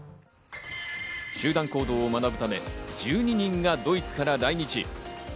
集団行動を学ぶため、１２人がドイツから来日。